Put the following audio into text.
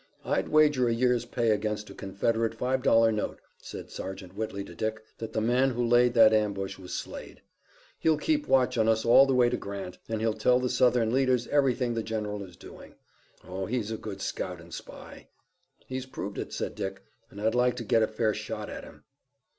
"I'd wager a year's pay against a Confederate five dollar note," said Sergeant Whitley to Dick, "that the man who laid that ambush was Slade. He'll keep watch on us all the way to Grant, and he'll tell the Southern leaders everything the general is doing. Oh, he's a good scout and spy." "He's proved it," said Dick, "and I'd like to get a fair shot at him."